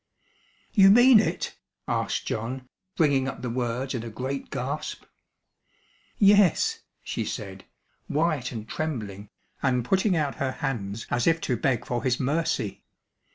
"You mean it?" asked John, bringing up the words in a great gasp. "Yes," she said, white and trembling and putting out her hands as if to beg for his mercy.